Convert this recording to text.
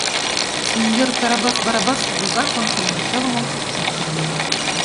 Синьор Карабас Барабас возак ончылно чылымым шупшын шинчен.